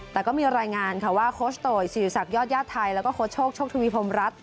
แต่ก็มีรายงานค่ะว่าโคชโตยศิริษักยอดญาติไทยแล้วก็โค้ชโชคโชคทวีพรมรัฐ